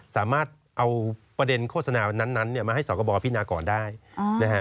สามารถเอาประเด็นโฆษณานั้นเนี่ยมาให้สกบพินาก่อนได้นะฮะ